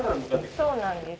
そうなんです